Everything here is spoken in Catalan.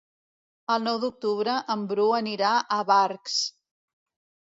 El nou d'octubre en Bru anirà a Barx.